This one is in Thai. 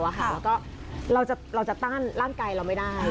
แล้วก็เราจะต้านร่างกายเราไม่ได้